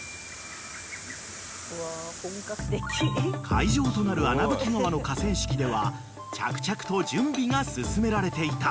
［会場となる穴吹川の河川敷では着々と準備が進められていた］